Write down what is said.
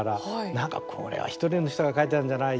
なんか、これは１人の人が描いたんじゃない。